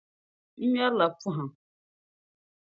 N-ŋmeri la Pɔhim.